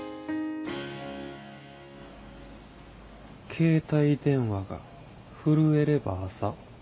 「携帯電話が震えれば朝」。